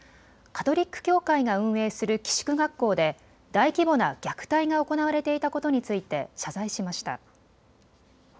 カトリック教会が運営する寄宿学校で大規模な虐待が行われていたことについて謝罪しました。